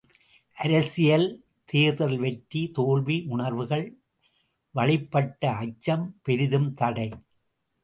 அரசியல், தேர்தல் வெற்றி தோல்வி உணர்வுகள் வழிப்பட்ட அச்சம் பெரிதும் தடை!